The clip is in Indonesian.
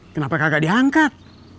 kenapa kagak diangkat